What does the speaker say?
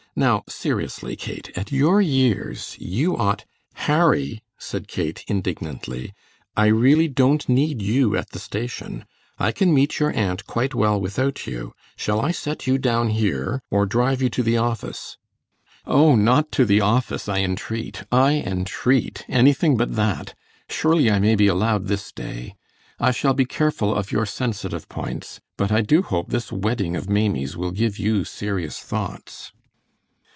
Now seriously, Kate, at your years you ought " "Harry," said Kate, indignantly, "I really don't need you at the station. I can meet your aunt quite well without you. Shall I set you down here, or drive you to the office?" "Oh, not to the office, I entreat! I entreat! Anything but that! Surely I may be allowed this day! I shall be careful of your sensitive points, but I do hope this wedding of Maimie's will give you serious thoughts."